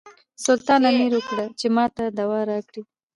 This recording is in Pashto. سلطان امر وکړ چې ماته دوا راکړي.